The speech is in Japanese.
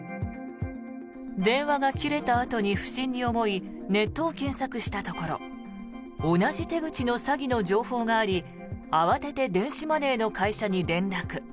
電話が切れたあとに不審に思いネットを検索したところ同じ手口の詐欺の情報があり慌てて電子マネーの会社に連絡。